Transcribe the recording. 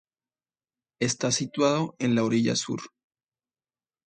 Está situado en la orilla sur.